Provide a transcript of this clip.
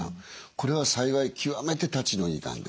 これは幸い極めてたちのいいがんです。